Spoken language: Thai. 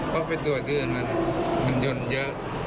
พอไปตรวจชื่อมันมันยนต์เยอะ